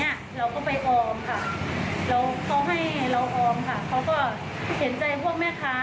เราก็ไปออมค่ะแล้วเขาให้เราออมค่ะเขาก็เห็นใจพวกแม่ค้า